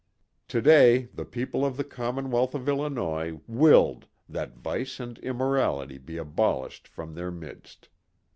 Today the people of the commonwealth of Illinois willed that vice and immorality be abolished from their midst.